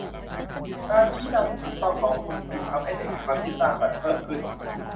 การชี้นำที่ถูกต้องของคุณครูทำให้เด็กมีความคิดสร้างสรรค์เพิ่มขึ้น